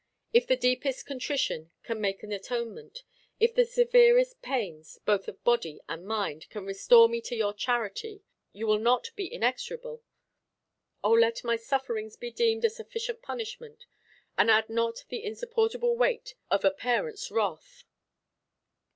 If the deepest contrition can make an atonement, if the severest pains, both of body and mind, can restore me to your charity, you will not be inexorable. O, let my sufferings be deemed a sufficient punishment, and add not the insupportable weight of a parent's wrath.